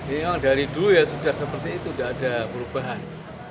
ini memang dari dulu ya sudah seperti itu enggak ada perubahan